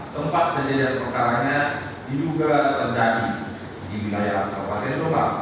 tempat kejadian perkaranya juga terjadi di wilayah kabupaten jomba